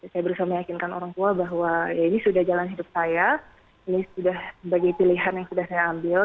saya berusaha meyakinkan orang tua bahwa ya ini sudah jalan hidup saya ini sudah sebagai pilihan yang sudah saya ambil